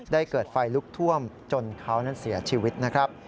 เกิดไฟลุกท่วมจนเขานั้นเสียชีวิตนะครับ